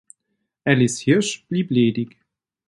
Alice Hirsch blieb ledig.